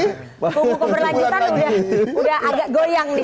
buku keberlanjutan udah agak goyang nih